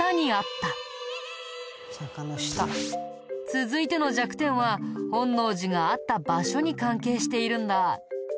続いての弱点は本能寺があった場所に関係しているんだ。